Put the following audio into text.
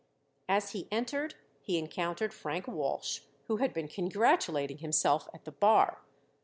As he entered he encountered Frank Walsh, who had been congratulating himself at the bar.